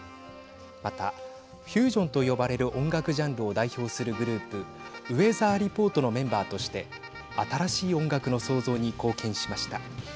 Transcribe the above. またフュージョンと呼ばれる音楽ジャンルを代表するグループウェザー・リポートのメンバーとして新しい音楽の創造に貢献しました。